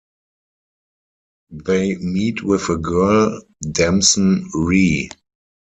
They meet with a girl, Damson Rhee.